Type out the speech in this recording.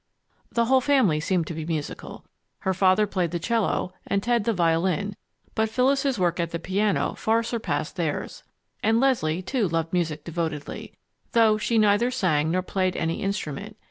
The whole family seemed to be musical. Her father played the 'cello and Ted the violin, but Phyllis's work at the piano far surpassed theirs. And Leslie, too, loved music devotedly, though she neither sang nor played any instrument.